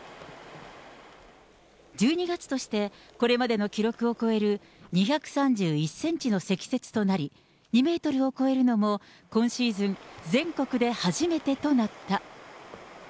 １２月としてこれまでの記録を超える２３１センチの積雪となり、２メートルを超えるのも、今シーズン全国で初めてとなった。